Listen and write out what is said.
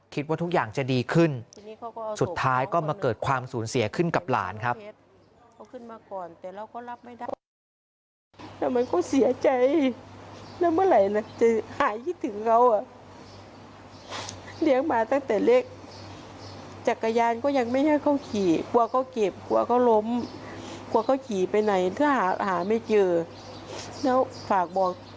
คิดว่าทุกอย่างจะดีขึ้นสุดท้ายก็มาเกิดความสูญเสียขึ้นกับหลานครับ